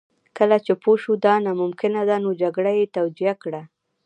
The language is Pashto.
کله چې پوه شو دا ناممکنه ده نو جګړه یې توجیه کړه